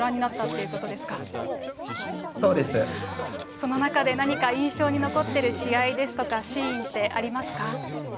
その中で何か印象に残っている試合ですとか、シーンってありますか？